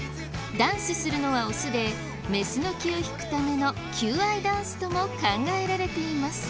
ダンスするのはオスでメスの気を引くための求愛ダンスとも考えられています。